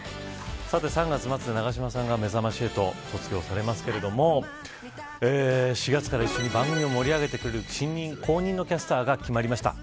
３月末で永島さんがめざまし８を卒業されますけど４月から一緒に番組を盛り上げてくれる後任のキャスターが決まりました。